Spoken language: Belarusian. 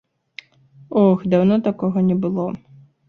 Ох, даўно такога не было!